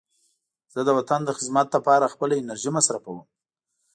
زه د وطن د خدمت لپاره خپله انرژي مصرفوم.